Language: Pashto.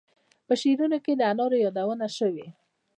په شعرونو کې د انارو یادونه شوې.